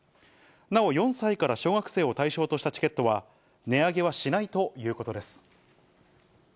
なお、４歳から小学生を対象としたチケットは値上げはしないということです。